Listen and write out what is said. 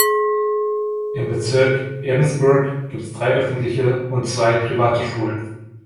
Im Bezirk Ebensburg gibt es drei öffentliche und zwei private Schulen.